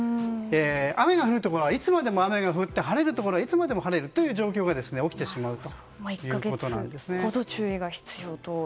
雨が降るところはいつまでも雨が降って晴れるところはいつまでも晴れるという１か月ほど注意が必要と。